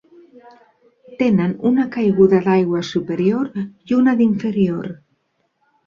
Tenen una caiguda d'aigua superior i una d'inferior.